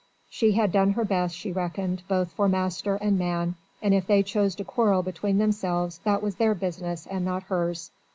She had done her best, she reckoned, both for master and man, and if they chose to quarrel between themselves that was their business and not hers.